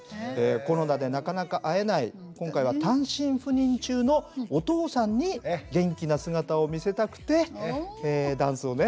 コロナでなかなか会えない今回は単身赴任中のお父さんに元気な姿を見せたくてダンスをね